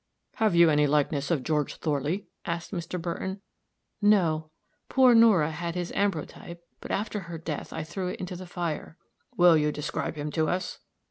"Have you any likeness of George Thorley?" asked Mr. Burton. "No. Poor Nora had his ambrotype, but after her death I threw it into the fire." "Will you describe him to us?"